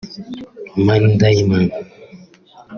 Roman Dymn